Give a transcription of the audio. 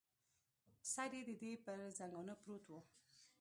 سر یې د دې پر زنګانه پروت و.